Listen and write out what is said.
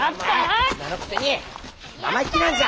お前女のくせに生意気なんじゃ！